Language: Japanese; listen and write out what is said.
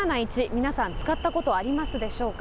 皆さん使ったことありますでしょうか。